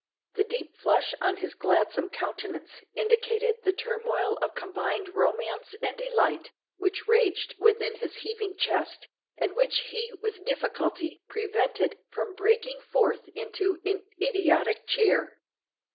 The deep flush on his gladsome countenance indicated the turmoil of combined romance and delight which raged within his heaving chest, and which he with difficulty prevented from breaking forth into an idiotic cheer.